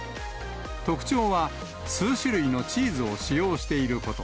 特徴は、数種類のチーズを使用していること。